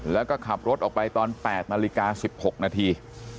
แล้วก็ขับรถออกไปตอนแปดนาฬิกาสิบหกนาที